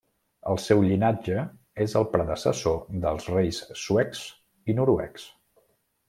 El seu llinatge és el predecessor dels reis suecs i noruecs.